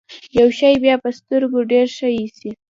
يو شی بيا په سترګو ډېر ښه اېسي.